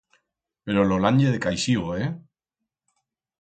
Pero lo lan ye de caixigo, e?